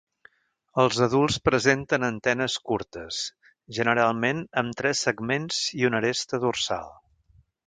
Els adults presenten antenes curtes, generalment amb tres segments i una aresta dorsal.